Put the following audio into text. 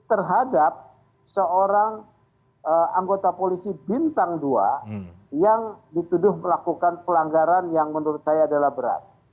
terhadap seorang anggota polisi bintang dua yang dituduh melakukan pelanggaran yang menurut saya adalah berat